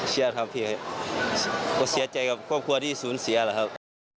เชื่อครับพี่ก็เสียใจกับครอบครัวที่สูญเสียแหละครับ